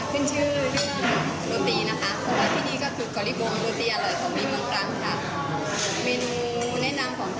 เพราะว่าที่นี่ก็คือกริบมโรตีอร่อยของนี่บ้างกันค่ะ